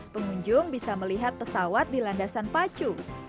pengunjung bisa melihat pesawat di landasan pacu